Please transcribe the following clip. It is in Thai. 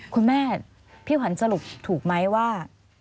คุณแม่พี่ขวัญสรุปถูกไหมว่า